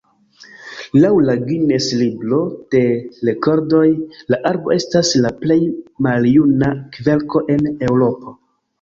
Laŭ la Guinness-libro de rekordoj la arbo estas la plej maljuna kverko en Eŭropo.